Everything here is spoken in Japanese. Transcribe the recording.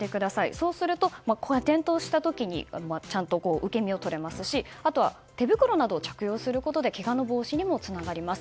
そうすると転倒した時にちゃんと受け身を取れますしあとは、手袋などを着用することでけがの防止にもつながります。